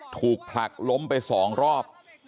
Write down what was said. ถูกผลักล้มไป๒รอบ